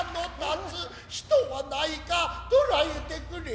人はないかとらえてくれ。